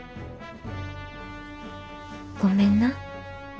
ごめんな。